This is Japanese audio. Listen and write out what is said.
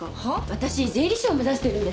わたし税理士を目指してるんです。